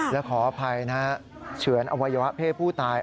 แล้วขออภัยนะฮะเฉือนอวัยวะเพศผู้ตาย